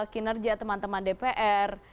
kinerja teman teman dpr